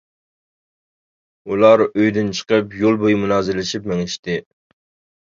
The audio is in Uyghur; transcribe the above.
ئۇلار ئۆيدىن چىقىپ، يول بويى مۇنازىرىلىشىپ مېڭىشتى.